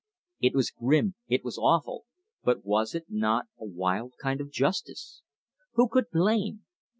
It was grim, it was awful, but was it not a wild kind of justice? Who could blame?